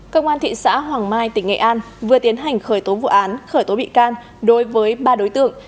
công an thị xã hoàng mai tỉnh nghệ an vừa tiến hành khởi tố vụ án khởi tố bị can đối với ba đối tượng